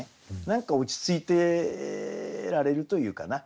何か落ち着いてられるというかな。